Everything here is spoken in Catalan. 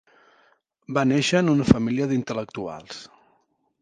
Va néixer en una família d'intel·lectuals.